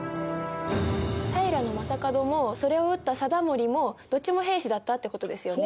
平将門もそれを討った貞盛もどっちも平氏だったってことですよね？